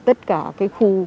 tất cả cái khu